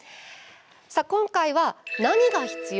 さあ、今回は何が必要？